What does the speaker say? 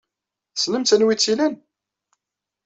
Tessnem-tt anwa ay tt-ilan?